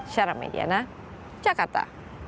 syara mediana jakarta